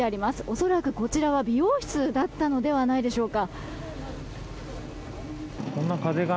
恐らくこちらは美容室だったのではないでしょうか。